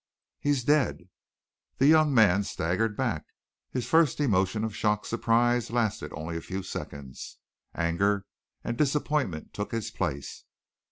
"He is dead!" The young man staggered back. His first emotion of shocked surprise lasted only a few seconds. Anger and disappointment took its place.